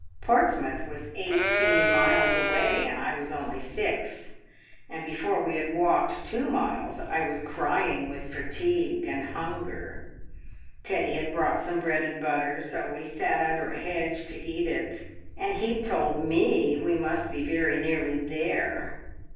"Portsmouth was eighteen miles away, and I was only six, and before we had walked two miles, I was crying with fatigue and hunger. Teddy had brought some bread and butter, so we sat under a hedge to eat it, and he told me we must be very nearly there.